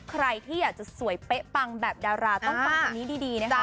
ใครที่อยากจะสวยเป๊ะปังแบบดาราต้องฟังคำนี้ดีนะคะ